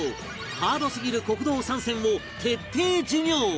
ハードすぎる酷道３選を徹底授業！